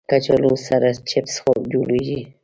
کچالو سره چپس جوړېږي